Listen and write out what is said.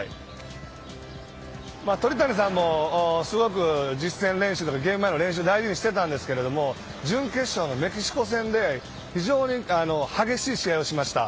鳥谷さんもすごく実戦練習とかゲーム前の練習を大事にしていたんですけど準決勝のメキシコ戦で非常に激しい試合をしました。